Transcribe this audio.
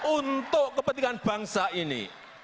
untuk kepentingan bangsa ini